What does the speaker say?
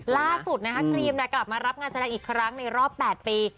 ล่าสุดนะคะครีมกลับมารับงานแสดงอีกครั้งในรอบ๘ปี